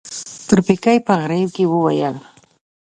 تورپيکۍ په غريو کې وويل.